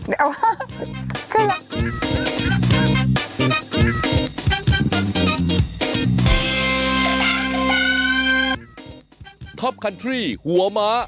เดี๋ยวของขึ้นแล้ว